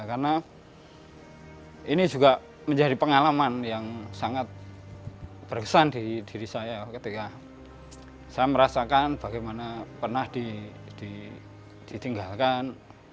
karena ini juga menjadi pengalaman yang sangat berkesan di diri saya ketika saya merasakan bagaimana pernah ditinggalkan